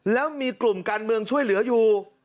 แล้วมีกลุ่มการเมืองช่วยเหลืออยู่